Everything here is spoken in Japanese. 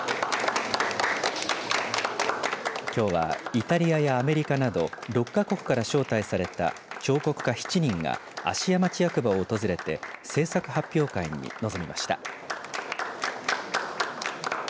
きょうはイタリアやアメリカなど６か国から招待された彫刻家７人が芦屋町役場を訪れて制作発表会に臨みました。